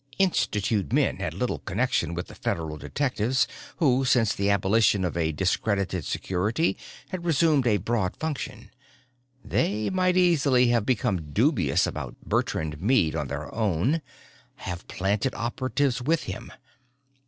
Institute men had little connection with the Federal detectives, who, since the abolition of a discredited Security, had resumed a broad function. They might easily have become dubious about Bertrand Meade on their own, have planted operatives with him.